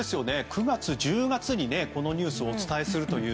９月、１０月にこのニュースをお伝えするという。